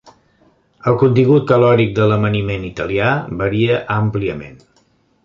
El contingut calòric de l'amaniment italià varia àmpliament.